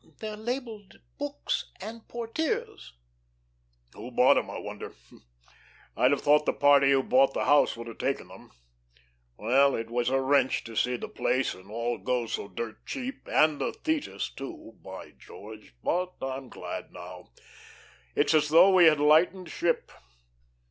"They're labelled 'books and portieres.'" "Who bought 'em I wonder? I'd have thought the party who bought the house would have taken them. Well, it was a wrench to see the place and all go so dirt cheap, and the 'Thetis', too, by George! But I'm glad now. It's as though we had lightened ship."